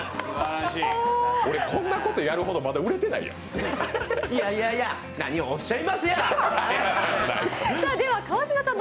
俺、こんなことやるほどまだ売れてないやん。